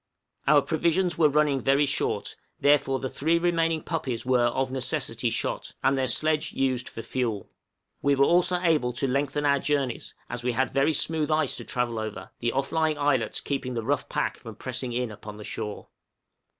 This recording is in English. Our provisions were running very short, therefore the three remaining puppies were of necessity shot, and their sledge used for fuel. We were also enabled to lengthen our journeys, as we had very smooth ice to travel over, the off lying islets keeping the rough pack from pressing in upon the shore.